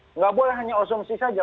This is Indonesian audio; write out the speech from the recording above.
tidak boleh hanya asumsi saja